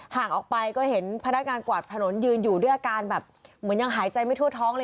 ห่างออกไปก็เห็นพนักงานกวาดถนนยืนอยู่ด้วยอาการแบบเหมือนยังหายใจไม่ทั่วท้องเลย